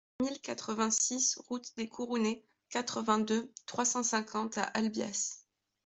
mille quatre-vingt-six route des Courounets, quatre-vingt-deux, trois cent cinquante à Albias